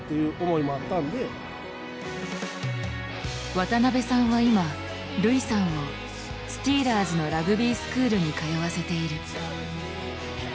渡邊さんは今琉偉さんをスティーラーズのラグビースクールに通わせている。